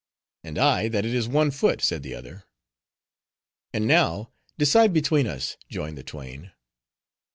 "And I, that it is one foot," said the other. "And now decide between us," joined the twain.